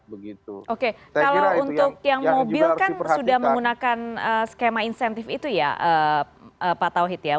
oke kalau untuk yang mobil kan sudah menggunakan skema insentif itu ya pak tauhid ya